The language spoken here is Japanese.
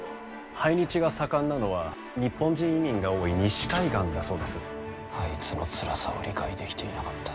排日が盛んなのは日本人移民が多いあいつのつらさを理解できていなかった。